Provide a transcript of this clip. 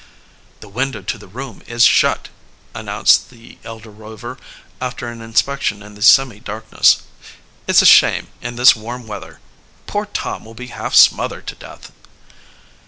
"The window to the room is shut," announced the elder Rover, after an inspection in the semi darkness. "It's a shame, in this warm weather. Poor Tom will be half smothered to death!"